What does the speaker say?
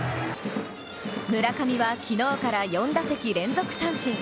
村上は昨日から４打席連続三振。